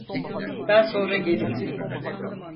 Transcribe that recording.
Daha sonra gelirim.